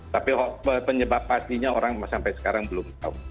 tapi penyebab pastinya orang sampai sekarang belum tahu